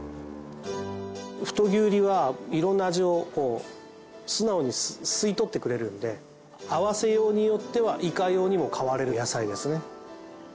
太きゅうりは色んな味を素直に吸い取ってくれるので合わせようによってはいかようにも変われる野菜ですね。